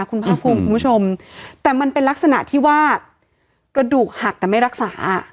คุณภาคภูมิคุณผู้ชมแต่มันเป็นลักษณะที่ว่ากระดูกหักแต่ไม่รักษา